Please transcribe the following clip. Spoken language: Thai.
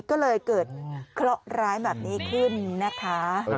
ก็เลยเกิดเคราะหร้ายแบบนี้ขึ้นนะคะ